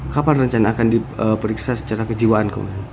kapan rencana akan diperiksa secara kejiwaan